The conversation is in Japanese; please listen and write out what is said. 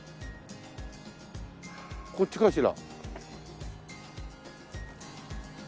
こっちかしら？